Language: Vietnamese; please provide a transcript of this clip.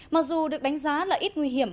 mặc dù được đánh giá là ít nguy hiểm